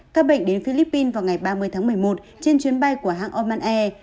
các bệnh đến philippines vào ngày ba mươi tháng một mươi một trên chuyến bay của hãng oman air